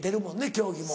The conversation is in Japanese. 競技も。